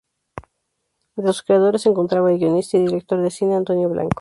Entre sus creadores se encontraba el guionista y director de cine Antonio Blanco.